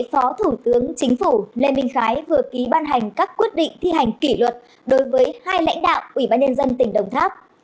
phó thủ tướng chính phủ lê minh khái vừa ký ban hành các quyết định thi hành kỷ luật đối với hai lãnh đạo ủy ban nhân dân tỉnh đồng tháp